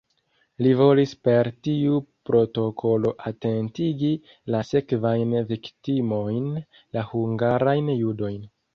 Li volis per tiu protokolo atentigi la sekvajn viktimojn, la hungarajn judojn.